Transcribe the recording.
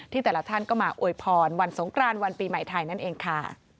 แต่ละท่านก็มาอวยพรวันสงกรานวันปีใหม่ไทยนั่นเองค่ะ